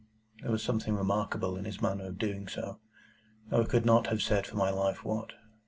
There was something remarkable in his manner of doing so, though I could not have said for my life what.